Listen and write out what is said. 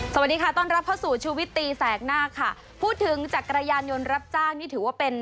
สวัสดีค่ะต้อนรับเข้าสู่ชูวิตตีแสกหน้าค่ะพูดถึงจักรยานยนต์รับจ้างนี่ถือว่าเป็น